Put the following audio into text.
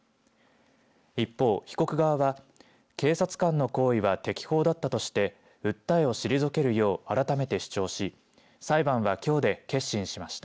一方、被告側は警察官の行為は適法だったとして訴えを退けるよう改めて主張し裁判は、きょうで結審しました。